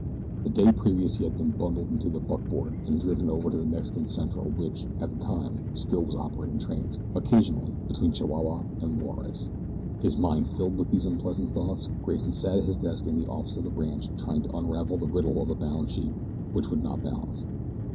The day previous he had been bundled into a buckboard and driven over to the Mexican Central which, at that time, still was operating trains occasionally between Chihuahua and Juarez. His mind filled with these unpleasant thoughts, Grayson sat at his desk in the office of the ranch trying to unravel the riddle of a balance sheet which would not balance.